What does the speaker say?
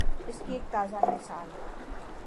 اس کی ایک تازہ مثال